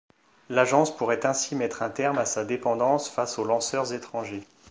L'agence pourrait ainsi mettre un terme à sa dépendance face aux lanceurs étranger.